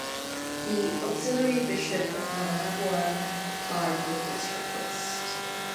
The auxiliary Bishop of Managua complied with this request.